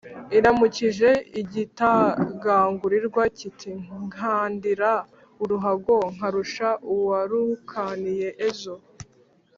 iramukije igitagangurirwa kiti «nkanira uruhago nkarusha uwarukaniye ejo